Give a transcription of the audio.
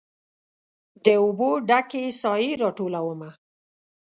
د اوبو ډ کې سائې راټولومه